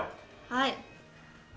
はい。